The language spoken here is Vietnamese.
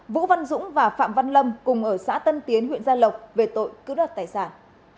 vũ văn dũng và phạm văn lâm cùng ở xã tân tiến huyện gia lộc về tội cướp đợt tài sản